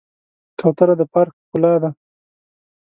کوتره د پارک ښکلا ده.